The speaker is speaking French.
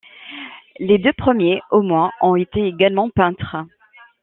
Les deux premiers au moins ont été également peintres.